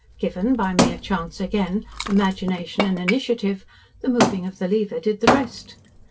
Given by mere chance again imagination and initiative, the moving of the lever did the rest.